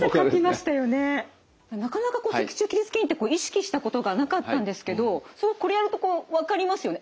なかなかこう脊柱起立筋って意識したことがなかったんですけどすごくこれやるとこう分かりますよね